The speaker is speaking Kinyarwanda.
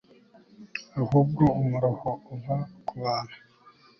ahubwo umuruho uva ku bantu